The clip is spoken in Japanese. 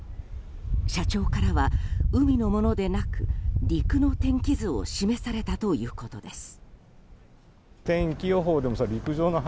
社長からは海のものでなく陸の天気図を示されたということです。